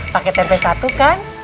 pakai tempe satu kan